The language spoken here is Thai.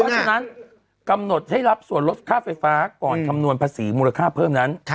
เพราะฉะนั้นกำหนดให้รับส่วนลดค่าไฟฟ้าก่อนคำนวณภาษีมูลค่าเพิ่มนั้น